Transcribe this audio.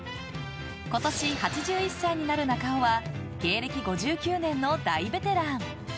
今年８１歳になる中尾は芸歴５９年の大ベテラン。